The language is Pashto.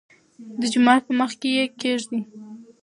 دجومات په مخکې يې کېږدۍ.